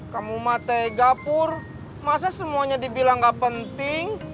kamu matai gapur masa semuanya dibilang nggak penting